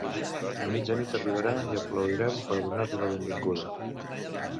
A mitjanit arribarà i aplaudirem per donar-li la benvinguda